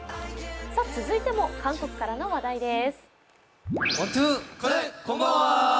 続いても韓国からの話題です。